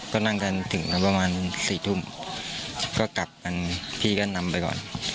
ก็นั่งกันถึงประมาณ๔ทุ่มก็กลับกันพี่ก็นำไปก่อน